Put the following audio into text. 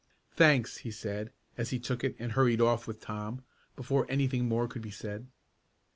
"Thanks," he said as he took it and hurried off with Tom, before anything more could be said.